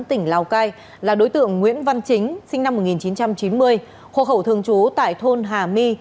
tỉnh lào cai là đối tượng nguyễn văn chính sinh năm một nghìn chín trăm chín mươi hộ khẩu thường trú tại thôn hà my